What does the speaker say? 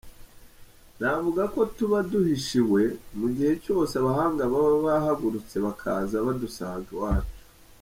Navuga ko tuba duhishiwe mu gihe cyose abahanga baba bahagurutse bakaza badusanga iwacu.